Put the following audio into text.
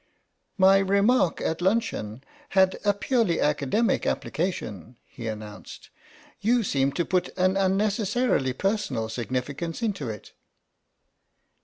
" My remark at lunch had a purely academic application," he announced ;" you seem to put an unnecessarily personal significance into it."